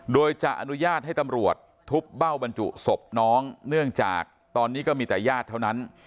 โดยจะอนุญาตให้ตำรวจทุบเบ้าบรรจุศพน้องเนื่องจากตอนนี้ก็มีแต่ญาติเท่านั้น